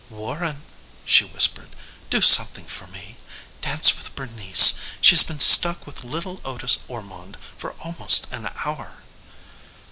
"Warren," she whispered "do something for me dance with Bernice. She's been stuck with little Otis Ormonde for almost an hour."